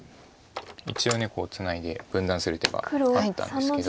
一応ツナいで分断する手があったんですけど。